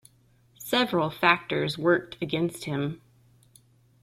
Several factors worked against him.